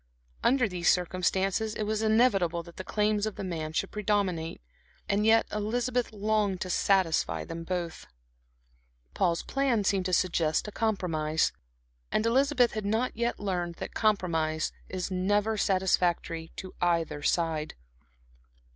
Under these circumstances, it was inevitable that the claims of the man should predominate. And yet Elizabeth longed to satisfy them both. Paul's plan seemed to suggest a compromise. And Elizabeth had not yet learned that compromise is never satisfactory to either side.